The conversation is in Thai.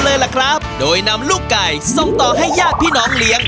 เลยล่ะครับโดยนำลูกไก่ส่งต่อให้ญาติพี่น้องเลี้ยง